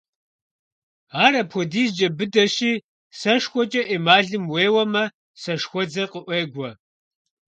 Ар апхуэдизкӀэ быдэщи, сэшхуэкӀэ эмалым уеуэмэ, сэшхуэдзэр къыӀуегуэ.